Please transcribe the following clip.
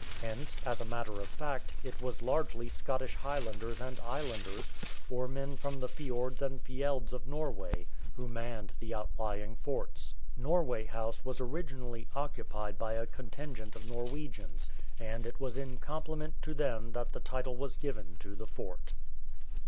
Hence, as a matter of fact, it was largely Scottish Highlanders and Islanders, or men from the fiords and fjelds of Norway, who manned the outlying forts. Norway House was originally occupied by a contingent of Norwegians, and it was in compliment to them that the title was given to the fort.